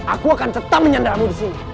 aku akan tetap menyandarmu di sini